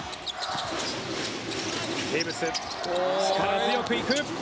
テーブス力強くいく。